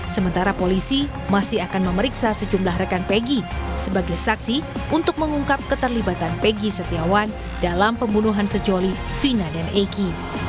sementara polisi masih akan memeriksa sejumlah rekan peggy sebagai saksi untuk mengungkap keterlibatan peggy setiawan dalam pembunuhan sejoli vina dan eki